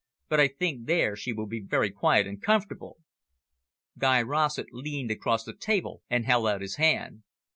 But I think there she will be very quiet and comfortable." Guy Rossett leaned across the table and held out his hand.